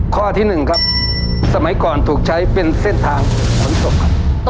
ข้อที่๑ครับสมัยก่อนถูกใช้เป็นเส้นทางขนศพครับ